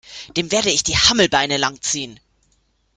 Dem werde ich die Hammelbeine lang ziehen!